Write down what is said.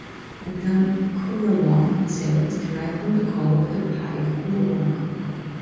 The term "currawong" itself is derived from the call of the pied currawong.